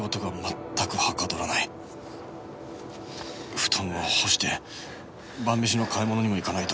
布団を干して晩飯の買い物にも行かないと